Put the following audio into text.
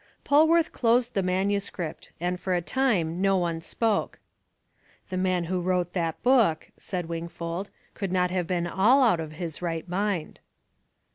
Polwarth closed the manuscript, and for a time no one spoke. "The man who wrote that book," said Wingfold, "could not have been all out of his right mind."